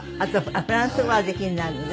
フランス語はおできになるのね。